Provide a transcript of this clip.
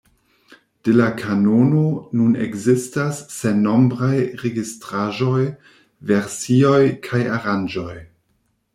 De la kanono nun ekzistas sennombraj registraĵoj, versioj kaj aranĝoj.